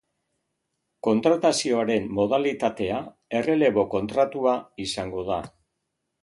Kontratazioaren modalitatea errelebo-kontratua izango da.